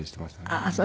ああーそう。